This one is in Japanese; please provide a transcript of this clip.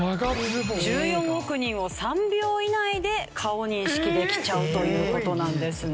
１４億人を３秒以内で顔認識できちゃうという事なんですね。